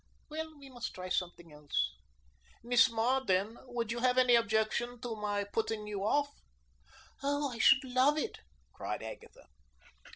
Well, we must try something else. Miss Marden, would you have any objection to my putting you off?" "Oh, I should love it!" cried Agatha.